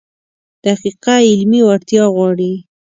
دقیقه علمي وړتیا غواړي.